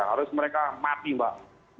harus mereka mati mbak